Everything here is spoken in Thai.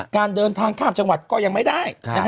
การเดินทางข้ามจังหวัดก็ยังไม่ได้